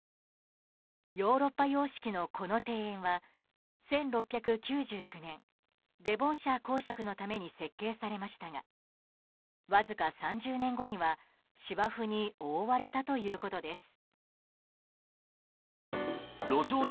ヨーロッパ様式のこの庭園は１６９９年デボンシャー公爵のために設計されましたがわずか３０年後には芝生に覆われたということです。